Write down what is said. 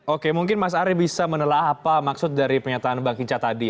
oke mungkin mas ari bisa menelah apa maksud dari pernyataan bang hinca tadi